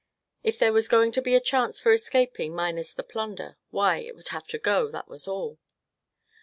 If there was going to be a chance for escaping minus the plunder, why, it would have to go, that was all.